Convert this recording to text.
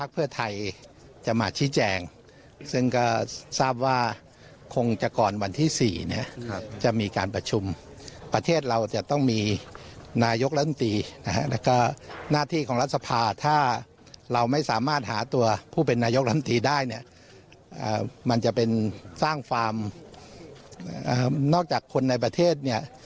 เมื่อเกี่ยวว่ามันมีสิ่งบริษัทที่เอ็ดเนี่ย